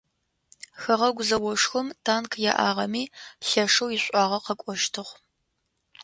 Хэгъэгу зэошхом танк яӏагъэми лъэшэу ишӏуагъэ къэкӏощтыгъ.